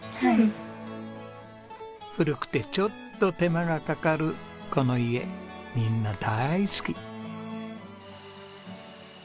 古くてちょっと手間がかかるこの家みんな大好き。